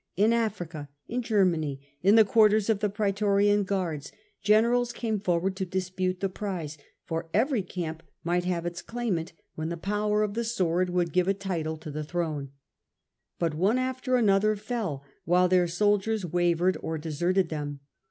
In Africa, in Germany, in tenders ros® the quarters of the Praetorian guards, generals came forward to dispute the prize, for every camp might have its claimant when the power of the sword would give a title to the throne ; but one after another fell, while their soldiers wavered or deserted them.